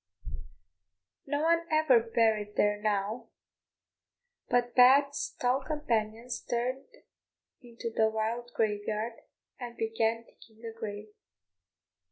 No one ever buried there now, but Pat's tall companions turned into the wild graveyard, and began digging a grave.